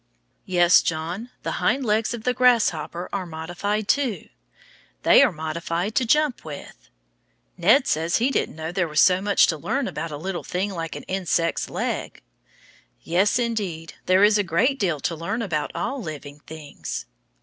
Yes, John, the hind legs of the grasshopper are modified too. They are modified to jump with. Ned says he didn't know there was so much to learn about a little thing like an insect's leg. Yes, indeed, there is a great deal to learn about all living things.